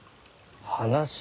話？